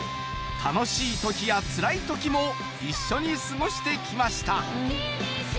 楽しい時やつらい時も一緒に過ごしてきました